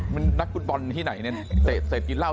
มันนักฟุตบอลที่ไหนเนี่ยเตะเสร็จกินเหล้า